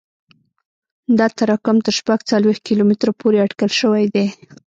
دا تراکم تر شپږ څلوېښت کیلومتره پورې اټکل شوی دی